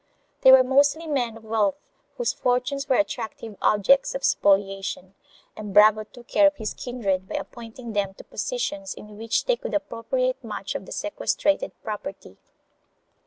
They were mostly men of wealth whose fortunes were attractive objects of spoliation, and Bravo took care of his kindred by appointing them to positions in which they could appropriate much of the sequestrated property.